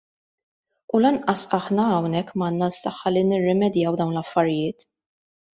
U lanqas aħna hawnhekk m'għandna s-saħħa li nirrimedjaw dawn l-affarijiet.